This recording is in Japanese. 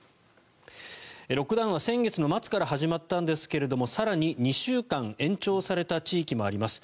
ロックダウンは先月の末から始まったんですが更に２週間延長された地域もあります。